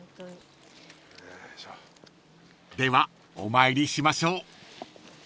［ではお参りしましょう］